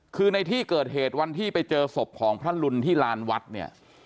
คือในที่เกิดเหตุวันที่ไปเจอศพของพระลุนที่ลานวัดเนี่ย